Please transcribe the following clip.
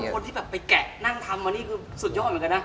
คนที่แบบไปแกะนั่งทำอันนี้คือสุดยอดเหมือนกันนะ